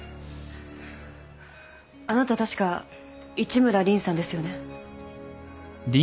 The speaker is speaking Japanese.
あなた確か市村凜さんですよね？